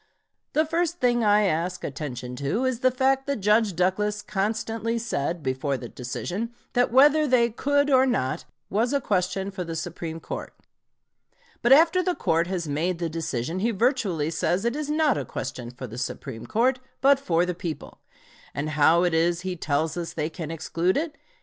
The first thing I ask attention to is the fact that Judge Douglas constantly said, before the decision, that whether they could or not, was a question for the Supreme Court. But after the court has made the decision he virtually says it is not a question for the Supreme Court, but for the people. And how is it he tells us they can exclude it?